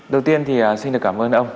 đầu tiên thì xin cảm ơn ông